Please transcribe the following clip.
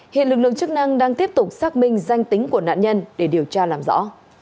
hiện lực lượng chức năng đang tiếp tục xác minh danh tính của nạn nhân để điều tra làm rõ